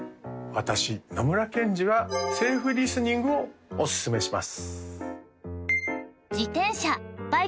私野村ケンジはセーフリスニングをおすすめします